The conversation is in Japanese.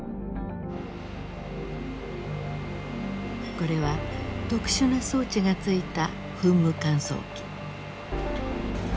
これは特殊な装置がついた噴霧乾燥機。